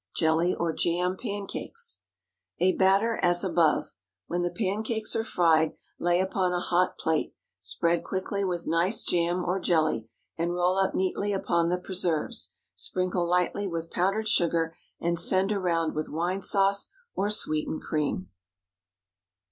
JELLY OR JAM PANCAKES. A batter as above. When the pancakes are fried, lay upon a hot plate, spread quickly with nice jam or jelly, and roll up neatly upon the preserves. Sprinkle lightly with powdered sugar, and send around with wine sauce or sweetened cream.